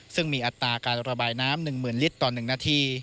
ซึ่งมีอัตราการระบายน้ำ๑๐๐๐ลิตรต่อ๑นาที